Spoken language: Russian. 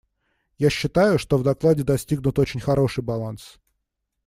Я считаю, что в докладе достигнут очень хороший баланс.